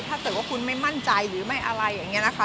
ถ้าเกิดว่าคุณไม่มั่นใจหรือไม่อะไรอย่างนี้นะคะ